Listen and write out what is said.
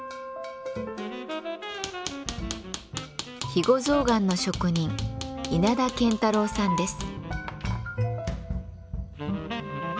肥後象がんの職人稲田憲太郎さんです。